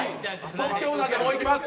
即興なんで、もういきます。